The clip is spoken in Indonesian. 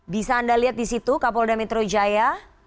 bisa anda lihat di situ kapolda metro jaya